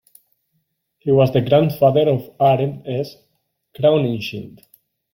He was the grandfather of Arent S. Crowninshield.